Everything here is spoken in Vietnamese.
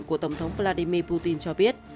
của tổng thống vladimir putin cho biết